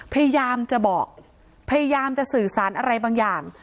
พยายามจะบอกพยายามจะสื่อสารอะไรบางอย่าง